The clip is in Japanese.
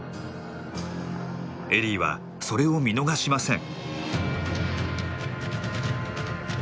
エリーはそれを見逃しません。